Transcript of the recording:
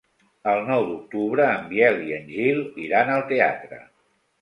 El nou d'octubre en Biel i en Gil iran al teatre.